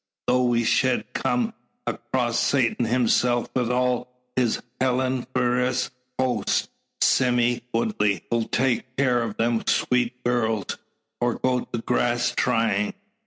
Tho' we shed kum across Satan hisself wi' all his hellniferous host, Sime Woodley 'll take care o' them sweet gurls, or go to grass trying."